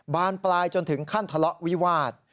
บานปลายจนถึงขั้นทะเลาะวิวาส